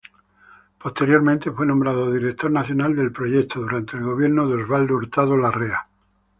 Posteriormente fue nombrado director nacional del proyecto, durante el gobierno de Osvaldo Hurtado Larrea.